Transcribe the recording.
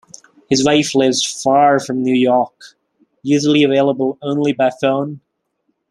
His wife lives far from New York, usually available only by phone.